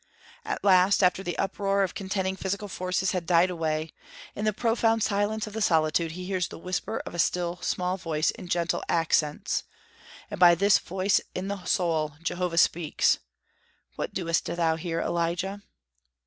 At last, after the uproar of contending physical forces had died away, in the profound silence of the solitude he hears the whisper of a still small voice in gentle accents; and by this voice in the soul Jehovah speaks: "What doest thou here, Elijah?"